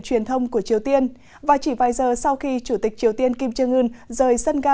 truyền thông của triều tiên và chỉ vài giờ sau khi chủ tịch triều tiên kim jong un rời sân ga